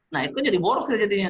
nah itu jadi boros kejadiannya